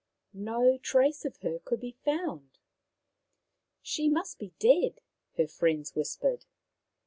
No trace of her could be found. " She must be dead," her friends whispered.